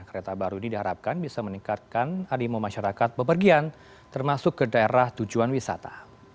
kereta baru ini diharapkan bisa meningkatkan animo masyarakat bepergian termasuk ke daerah tujuan wisata